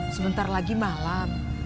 sebentar lagi malam